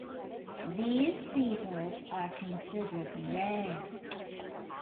These beetles are considered rare.